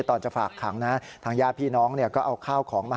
ตอนจะฝากขังทางย่าพี่น้องก็เอาข้าวของมาให้